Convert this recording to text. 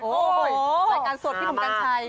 รายการสวดที่ผมกันใช้